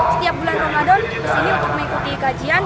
setiap bulan ramadan kesini untuk mengikuti kajian